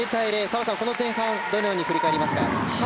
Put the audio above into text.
澤さん、この前半をどのように振り返りますか？